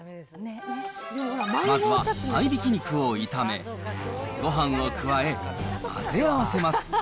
まずは合いびき肉を炒め、ごはんを加え混ぜ合わせます。